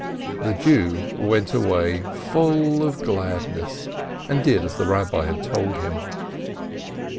The Jew went away full of gladness, and did as the Eabbi had told him.